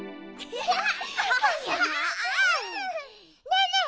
ねえねえ